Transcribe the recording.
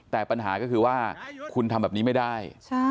แต่ปัญหาก็คือว่าคุณทำแบบนี้ไม่ได้